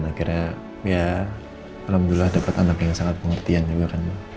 aku kasih pengertian dan akhirnya ya alhamdulillah dapat anak yang sangat pengertian juga kan